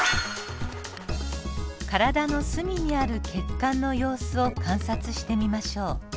体の隅にある血管の様子を観察してみましょう。